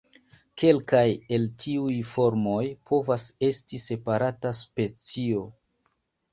Kelkaj el tiuj formoj povas esti separata specio.